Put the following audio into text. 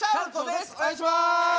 ですお願いします